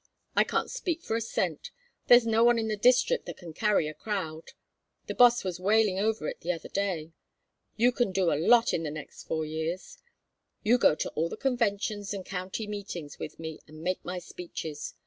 I can't speak for a cent. There's no one in the district that can carry a crowd. The boss was wailing over it the other day. You can do a lot in the next four years. You'll go to all the conventions and county meetings with me and make my speeches.